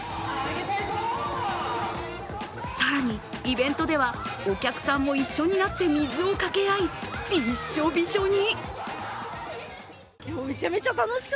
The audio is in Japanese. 更に、イベントではお客さんも一緒になって水を掛け合いびっしょびしょに。